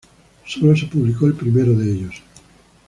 Solo se publicó el primero de ellos.